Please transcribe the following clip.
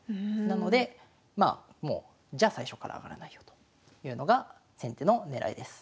なのでまあもうじゃあ最初から上がらないよというのが先手の狙いです。